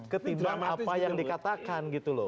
ketimbang apa yang dikatakan gitu loh